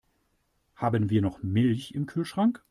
Haben wir noch Milch im Kühlschrank?